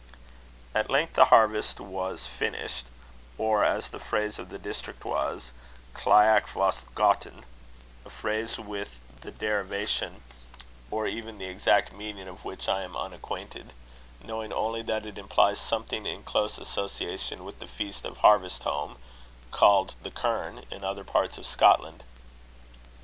At length the harvest was finished; or, as the phrase of the district was, clyack was gotten a phrase with the derivation, or even the exact meaning of which, I am unacquainted; knowing only that it implies something in close association with the feast of harvest home, called the kirn in other parts of Scotland.